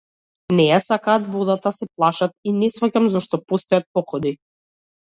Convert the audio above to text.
Не ја сакаат водата, се плашат, и не сфаќам зошто постојат походи.